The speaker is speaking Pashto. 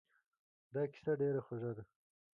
دا کیسه ډېره خوږه ده.